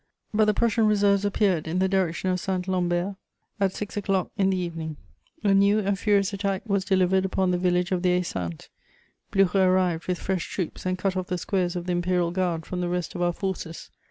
But the Prussian reserves appeared in the direction of Saint Lambert at six o'clock in the evening: a new and furious attack was delivered upon the village of the Haye Sainte; Blücher arrived with fresh troops and cut off the squares of the Imperial Guard from the rest of our forces.